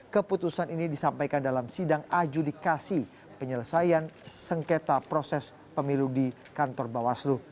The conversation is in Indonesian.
keputusan ini disampaikan dalam sidang adjudikasi penyelesaian sengketa proses pemilu di kantor bawaslu